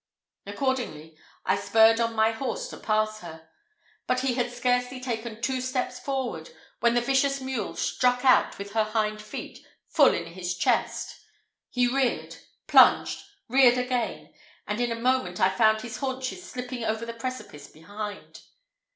Accordingly, I spurred on my horse to pass her, but he had scarcely taken two steps forward, when the vicious mule struck out with her hind feet full in his chest. He reared plunged reared again, and in a moment I found his haunches slipping over the precipice behind.